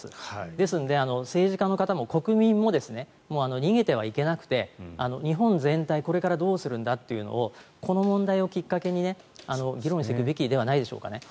ですので政治家の方も国民も逃げてはいけなくて日本全体これからどうするんだというのをこの問題をきっかけに議論してくべきではないでしょうか。